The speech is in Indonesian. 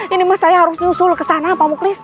ini mah saya harus nyusul kesana pamuklis